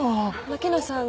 牧野さん